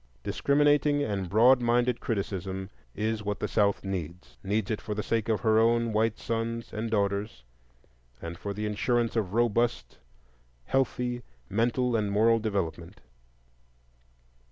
Discriminating and broad minded criticism is what the South needs,—needs it for the sake of her own white sons and daughters, and for the insurance of robust, healthy mental and moral development.